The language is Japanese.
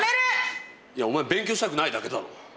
いやお前勉強したくないだけだろ。